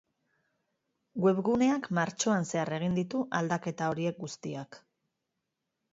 Webguneak martxoan zehar egin ditu aldaketa horiek guztiak.